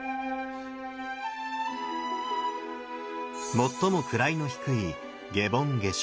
最も位の低い下品下生。